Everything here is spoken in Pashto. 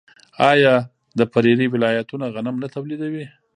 آیا د پریري ولایتونه غنم نه تولیدوي؟